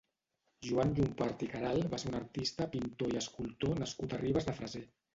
Joan Llompart i Caralt va ser un artista, pintor i escultor nascut a Ribes de Freser.